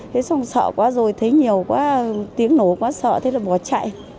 thế xong sợ quá rồi thấy nhiều quá tiếng nổ quá sợ thế là bỏ chạy